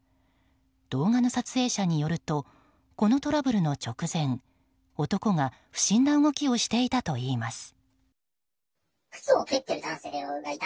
動画の撮影者によるとこのトラブルの直前男が不審な動きをしていたといいます。